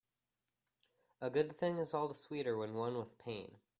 A good thing is all the sweeter when won with pain.